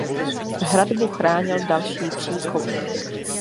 Hradbu chránil další příkop.